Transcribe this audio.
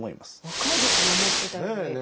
若いですね思ってたより。